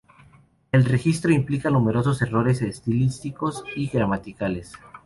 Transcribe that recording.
El registro implica numerosos errores estilísticos y gramaticales.